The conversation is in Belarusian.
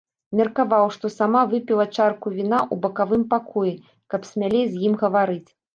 Меркаваў, што сама выпіла чарку віна ў бакавым пакоі, каб смялей з ім гаварыць.